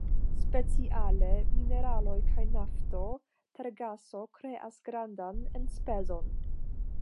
Speciale, mineraloj kaj nafto, tergaso kreas grandan enspezon.